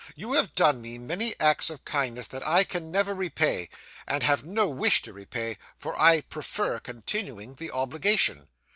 You have done me many acts of kindness that I can never repay, and have no wish to repay, for I prefer continuing the obligation.